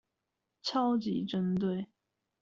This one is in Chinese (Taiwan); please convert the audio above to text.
超級針對